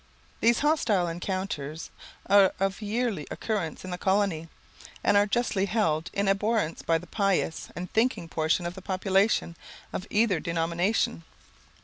These hostile encounters are of yearly occurrence in the colony, and are justly held in abhorrence by the pious and thinking portion of the population of either denomination.